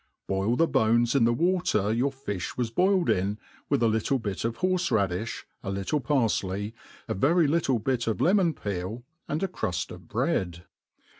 Boil the bones in the water your fiih was boiled in^ with a little bit of horfe raddiih, a little parfley, a very little bit of lemon peel, and a crufl of bread.